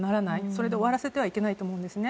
それで終わらせてはいけないと思うんですね。